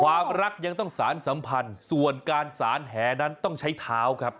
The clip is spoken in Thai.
ความรักยังต้องสารสัมพันธ์ส่วนการสารแหนั้นต้องใช้เท้าครับ